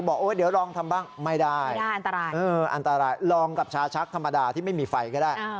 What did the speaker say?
บอกว่าเดี๋ยวลองทำบ้างไม่ได้อันตรายอันตรายลองกับชาชักธรรมดาที่ไม่มีไฟก็ได้